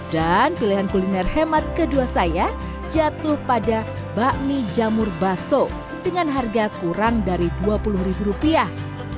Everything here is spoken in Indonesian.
dan pilihan kuliner hemat kedua saya jatuh pada bakmi jamur baso dengan harga kurang dari dua puluh ribu rupiah